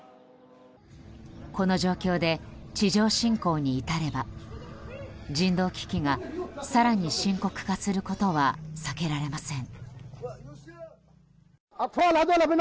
この状況で地上侵攻に至れば人道危機が更に深刻化することは避けられません。